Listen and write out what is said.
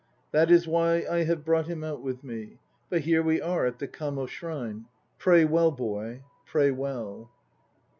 That is why I have brought him out with me. But here we are at the Kamo shrine. Pray well, boy, pray well!